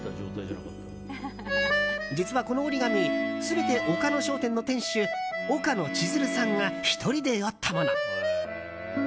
実は、この折り紙全て岡野商店の店主岡野千鶴さんが１人で折ったもの。